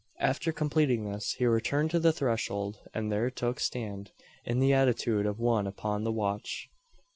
After completing this, he returned to the threshold; and there took stand, in the attitude of one upon the watch.